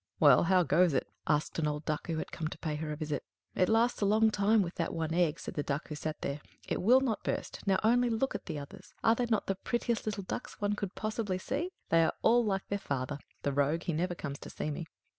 "Well, how goes it?" asked an old Duck who had come to pay her a visit. "It lasts a long time with that one egg," said the Duck who sat there. "It will not burst. Now, only look at the others; are they not the prettiest little ducks one could possibly see? They are all like their father. The rogue, he never comes to see me."